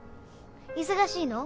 忙しいの？